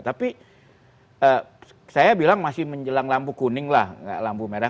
tapi saya bilang masih menjelang lampu kuning lah nggak lampu merah